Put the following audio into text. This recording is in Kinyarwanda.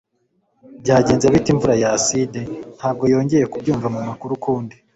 Byagenze bite imvura ya aside? Ntabwo wongeye kubyumva mumakuru ukundi